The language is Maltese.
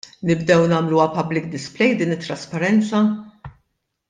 Nibdew nagħmluha public display din it-trasparenza?